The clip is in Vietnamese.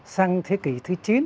sang thế kỷ thứ chín